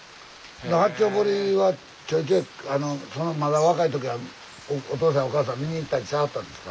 八丁堀はちょいちょいまだ若い時はお父さんお母さん見に行ったりしはったんですか？